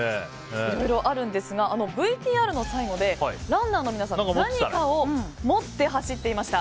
いろいろあるんですがＶＴＲの最後でランナーの皆さんが何かを持って走っていました。